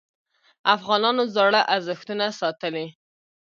افغانانو زاړه ارزښتونه ساتلي.